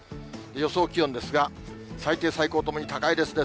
予想気温ですが、最低、最高ともに高いですね。